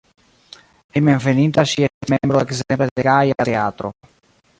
Hejmenveninta ŝi estis membro ekzemple de Gaja Teatro.